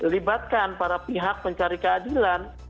libatkan para pihak pencari keadilan